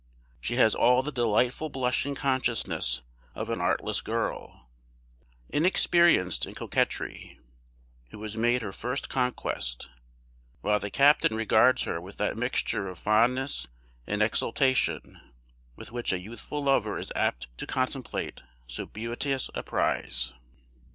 She has all the delightful blushing consciousness of an artless girl, inexperienced in coquetry, who has made her first conquest; while the captain regards her with that mixture of fondness and exultation, with which a youthful lover is apt to contemplate so beauteous a prize.